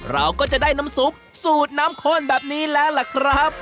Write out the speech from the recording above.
เราก็จะได้น้ำซุปสูตรน้ำข้นแบบนี้แล้วล่ะครับ